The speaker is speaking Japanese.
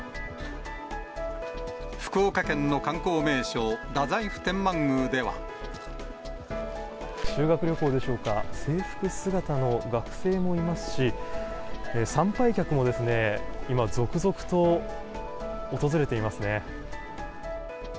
福岡県の観光名所、修学旅行でしょうか、制服姿の学生もいますし、参拝客も今、続々と訪れていますね。